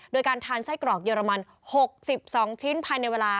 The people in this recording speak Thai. โดยการทานไส้กรอกเรมัน๖๒ชิ้นภายในเวลา